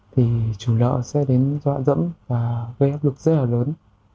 thì chủ lợi sẽ đến dọa dẫm và gây áp lực rất là lớn